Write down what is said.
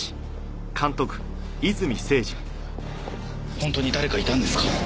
本当に誰かいたんですか？